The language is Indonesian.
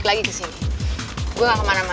gak gitu juga kali